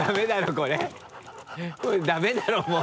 これダメだろもう。